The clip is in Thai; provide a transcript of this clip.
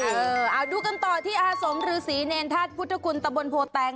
เออเอาดูกันต่อที่อาสมฤษีเนรธาตุพุทธคุณตะบนโพแตง